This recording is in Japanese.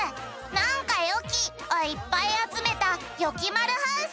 「なんかよき！」をいっぱいあつめた「よきまるハウス」